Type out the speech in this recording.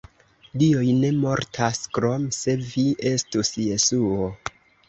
Dioj ne mortas, krom se vi estus Jesuo.